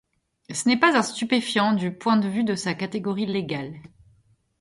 Ce n'est pas un stupéfiant du point de vue de sa catégorie légale.